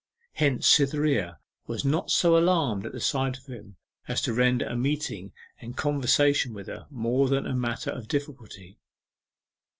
Hence Cytherea was not so alarmed at the sight of him as to render a meeting and conversation with her more than a matter of difficulty.